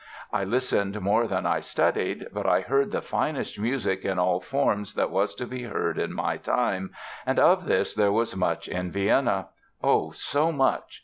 I listened more than I studied but I heard the finest music in all forms that was to be heard in my time, and of this there was much in Vienna. Oh, so much!